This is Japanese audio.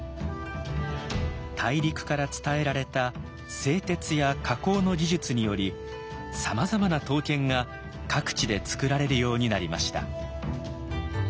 大陸から伝えられた製鉄や加工の技術によりさまざまな刀剣が各地で作られるようになりました。